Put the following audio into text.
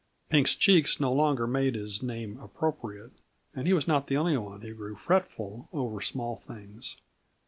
Pink's cheeks no longer made his name appropriate, and he was not the only one who grew fretful over small things.